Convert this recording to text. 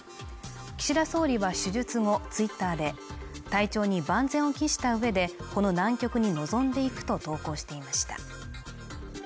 岸田総理は手術後ツイッターで体調に万全を期したうえでこの難局に臨んでいくと投稿していました